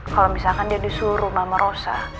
kalau misalkan dia disuruh mama rosa